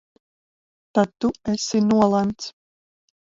Tad tu esi nolemts!